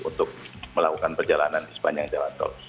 untuk melakukan perjalanan di sepanjang jalan tol